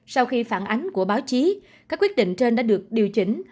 sau khi phản ánh của báo chí các quyết định trên đã được điều chỉnh